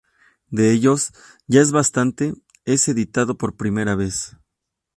De ellos, "Ya es bastante" es editado por primera vez.